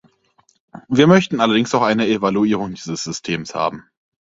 Wir möchten allerdings auch eine Evaluierung dieses Systems haben.